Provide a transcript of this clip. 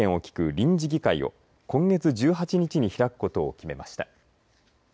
臨時議会を今月１８日に開くことを決めました。